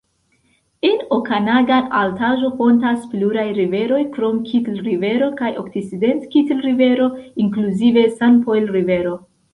En Okanagan-Altaĵo fontas pluraj riveroj krom Kitl-Rivero kaj Okcident-Kitl-Rivero, inkluzive Sanpojl-Rivero.